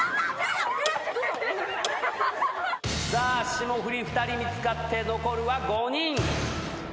霜降り２人見つかって残るは５人。